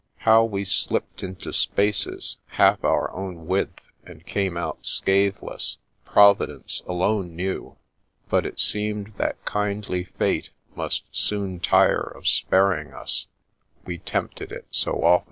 How we slipped into spaces half our own width and came out scathe less. Providence alone knew, but it seemed that kindly Fate must soon tire of sparing us, we tempted it so often.